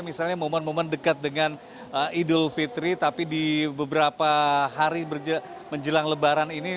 misalnya momen momen dekat dengan idul fitri tapi di beberapa hari menjelang lebaran ini